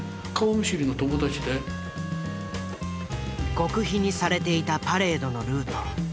極秘にされていたパレードのルート。